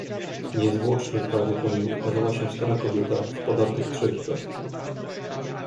"Niezwłocznie prawie po nim ukazała się stara kobieta w podartych trzewikach."